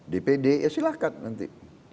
dpd ya silahkan nanti